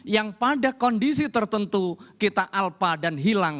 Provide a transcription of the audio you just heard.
yang pada kondisi tertentu kita alpa dan hilang